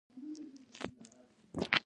پلار د خوښۍ راز دی.